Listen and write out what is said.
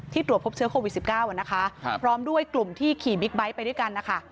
ตรวจพบเชื้อโควิด๑๙นะคะพร้อมด้วยกลุ่มที่ขี่บิ๊กไบท์ไปด้วยกันนะคะ